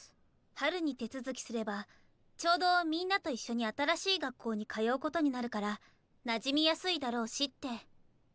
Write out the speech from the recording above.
春に手続きすればちょうどみんなと一緒に新しい学校に通うことになるからなじみやすいだろうしって。